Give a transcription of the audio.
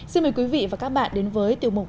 xin mời quý vị và các bạn đến với tiểu mục